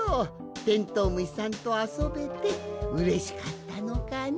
テントウムシさんとあそべてうれしかったのかの？